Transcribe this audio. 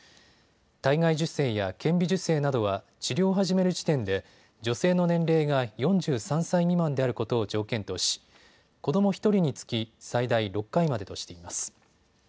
体外受精や顕微授精などは治療を始める時点で女性の年齢が４３歳未満であることを条件とし子ども１人につき最大６回までとしています。